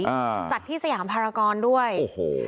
อ่าจัดที่สยามภารกรด้วยโอ้โห